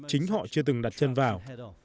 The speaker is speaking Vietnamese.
chính họ chưa từng đặt chân vào